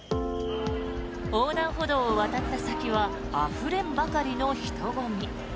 横断歩道を渡った先はあふれんばかりの人混み。